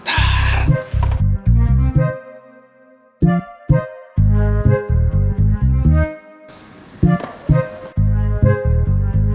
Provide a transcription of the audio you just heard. pindah pindah terus kita ini